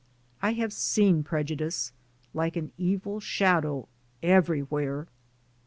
I have seen prejudice, like an evil shadow, everywhere.